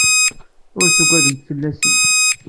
Ur ttaggademt fell-asen.